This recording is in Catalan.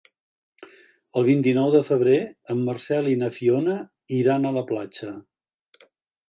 El vint-i-nou de febrer en Marcel i na Fiona iran a la platja.